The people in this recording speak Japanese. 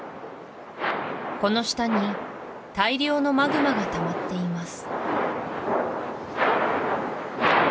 この下に大量のマグマがたまっています